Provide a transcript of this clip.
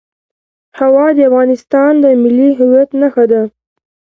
هوا د افغانستان د ملي هویت نښه ده.